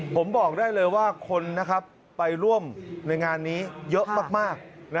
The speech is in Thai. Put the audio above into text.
ผมบอกได้เลยว่าคนไปร่วมในงานนี้เยอะมาก